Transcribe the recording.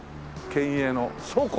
県営の倉庫？